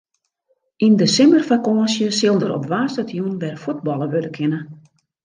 Yn de simmerfakânsje sil der op woansdeitejûn wer fuotballe wurde kinne.